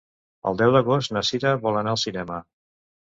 El deu d'agost na Cira vol anar al cinema.